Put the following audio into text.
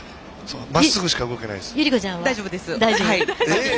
まっすぐしか動けないです。